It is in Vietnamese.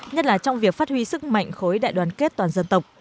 nhất là trong việc phát huy sức mạnh khối đại đoàn kết toàn dân tộc